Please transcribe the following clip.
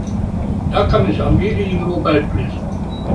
Da kann ich Amelie nur beipflichten.